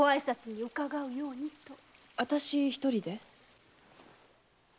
あたし一人で？